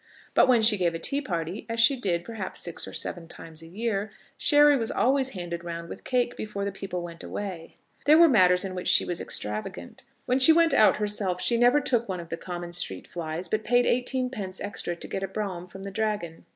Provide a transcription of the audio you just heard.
But when she gave a tea party, as she did, perhaps, six or seven times a year, sherry was always handed round with cake before the people went away. There were matters in which she was extravagant. When she went out herself she never took one of the common street flies, but paid eighteen pence extra to get a brougham from the Dragon.